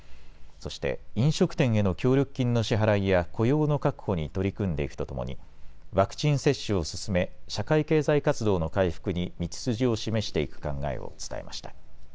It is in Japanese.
そして飲食店への協力金の支払いや雇用の確保に取り組んでいくとともにワクチン接種を進め社会経済活動の回復に道筋を示していく考えを伝えました。